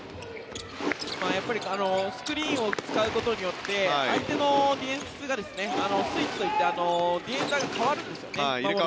やっぱりスクリーンを使うことによって相手のディフェンスがスイッチといってディフェンダーが替わるんですよね。